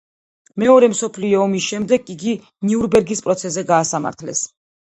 მეორე მსოფლიო ომის შემდეგ იგი ნიურნბერგის პროცესზე გაასამართლეს.